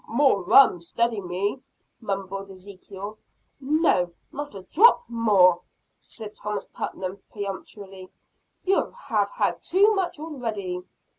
"More rum steady me!" mumbled Ezekiel. "No, not a drop more," said Thomas Putnam peremptorily. "You have had too much already."